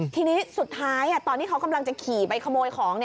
ทีนี้สุดท้ายตอนที่เขากำลังจะขี่ไปขโมยของ